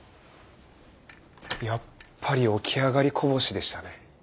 やっぱり起き上がりこぼしでしたね。